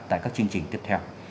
tại các chương trình tiếp theo